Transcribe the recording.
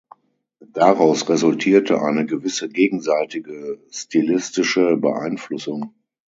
Daraus resultierte eine gewisse gegenseitige stilistische Beeinflussung.